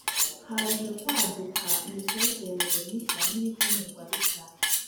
Haje kwaduka imitekerereze mishya n ibikenerwa bishya